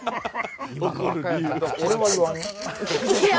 俺は言わんよ。